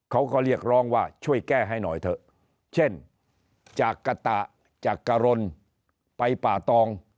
เขาก็เรียกร้องว่าช่วยแก้ให้หน่อยเถอะเช่นจากกะตะจากกะรนไปป่าตอง